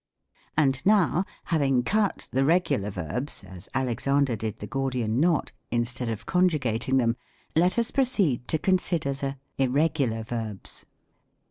And now, having cut the regular verbs (as Alexan der did the Gordian knot) instead of conjugating them, let us proceed to consider the. IRREGULAR VERBS.